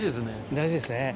大事ですね。